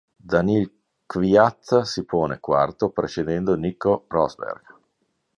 Daniil Kvjat si pone quarto, precedendo Nico Rosberg.